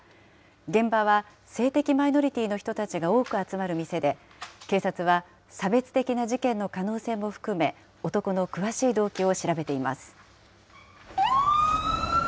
現場は性的マイノリティーの人たちが多く集まる店で、警察は差別的な事件の可能性も含め、男の詳しい動機を調べています。